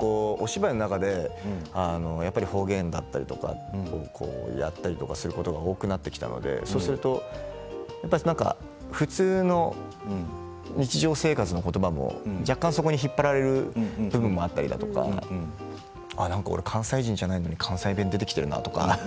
お芝居の中で方言だったりをやったりすることが多くなってきたので普通の日常生活のことばも若干、そこに引っ張られる部分もあったり関西人じゃないのに関西弁が出てきているだとか。